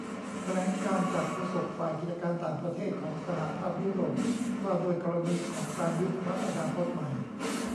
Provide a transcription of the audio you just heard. แถลงการจากโฆษกฝ่ายกิจการต่างประเทศของสหภาพยุโรปว่าด้วยกรณีของการ ยุบพรรคอนาคตใหม่